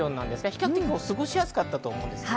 比較的過ごしやすかったと思います。